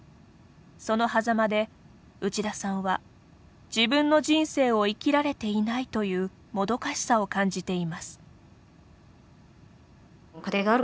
そのはざまで内田さんは自分の人生を生きられていないというもどかしさを感じています。